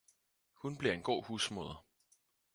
Hun bliver en god husmoder!